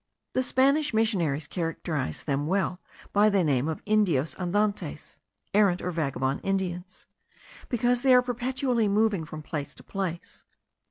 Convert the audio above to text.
The Spanish missionaries characterise them well by the name of Indios andantes (errant or vagabond Indians), because they are perpetually moving from place to place.